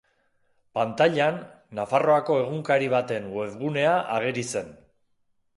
Pantailan, Nafarroako egunkari baten webgunea ageri zen.